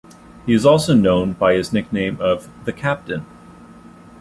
He is also known by his nickname of "The Captain".